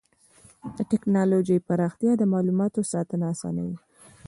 د ټکنالوجۍ پراختیا د معلوماتو ساتنه اسانوي.